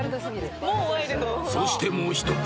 ［そしてもう一口］